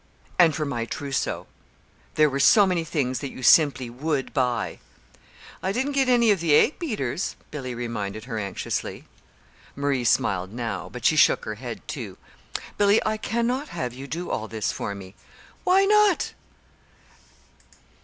"And for my trousseau there were so many things that you simply would buy!" "I didn't get one of the egg beaters," Billy reminded her anxiously. Marie smiled now, but she shook her head, too. "Billy, I cannot have you do all this for me." "Why not?"